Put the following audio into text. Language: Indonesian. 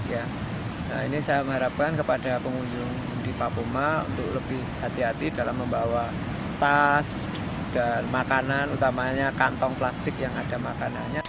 nah ini saya mengharapkan kepada pengunjung di papua untuk lebih hati hati dalam membawa tas dan makanan utamanya kantong plastik yang ada makanannya